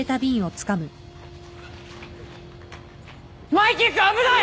マイキー君危ない！